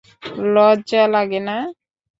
লর্জ্জা লাগে না?